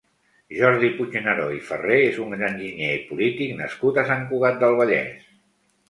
Jordi Puigneró i Ferrer és un enginyer i polític nascut a Sant Cugat del Vallès.